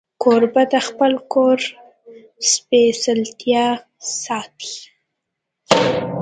کوربه د خپل کور سپېڅلتیا ساتي.